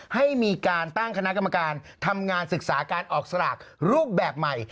ให้มีการตั้งคณะกรรมการทำงานศึกษาการออกสลากรูปแบบใหม่